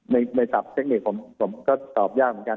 ในศัพท์เทคนิคผมก็ตอบยากเหมือนกัน